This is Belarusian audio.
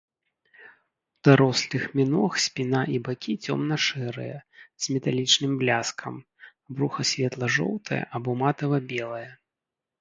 У дарослых міног спіна і бакі цёмна-шэрыя з металічным бляскам, бруха светла-жоўтае або матава-белае.